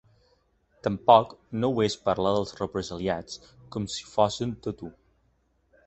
Tampoc no ho és parlar dels represaliats com si fossen tot u.